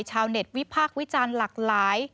ชาวเน็ตวิพากษ์วิจารณ์หลากหลาย